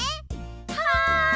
はい！